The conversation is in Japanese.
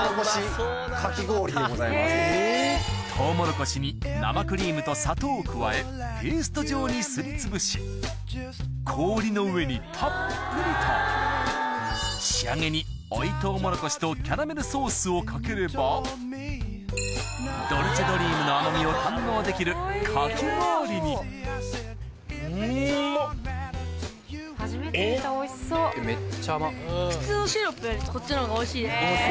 ⁉トウモロコシに生クリームと砂糖を加えペースト状にすりつぶし氷の上にたっぷりと仕上げに追いトウモロコシとキャラメルソースをかければドルチェドリームの甘みを堪能できるかき氷にえっ？